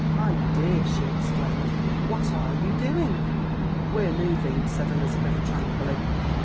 "My dear!" she exclaimed. "What are you doing?" "We're moving," said Elizabeth tranquilly.